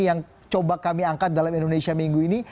yang coba kami angkat dalam indonesia minggu ini